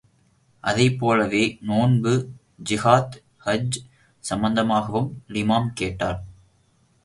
அதைப் போலவே, நோன்பு, ஜகாத், ஹஜ் சம்பந்தமாகவும் லிமாம் கேட்டார்.